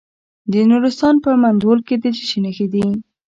د نورستان په مندول کې د څه شي نښې دي؟